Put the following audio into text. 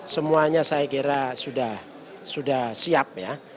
semuanya saya kira sudah siap ya